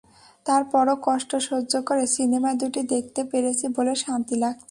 তারপরও কষ্ট সহ্য করে সিনেমা দুটি দেখতে পেরেছি বলে শান্তি লাগছে।